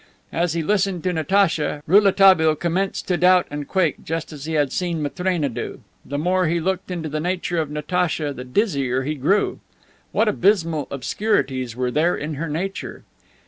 As he listened to Natacha Rouletabille commenced to doubt and quake just as he had seen Matrena do. The more he looked into the nature of Natacha the dizzier he grew. What abysmal obscurities were there in her nature!